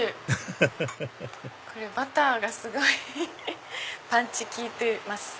フフフフこれバターがすごいパンチ効いてます。